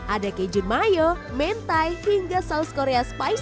ada kejun mayo mentai hingga saus korea space